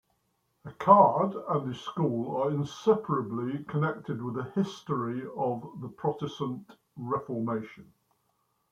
Eccard and his school are inseparably connected with the history of the Protestant Reformation.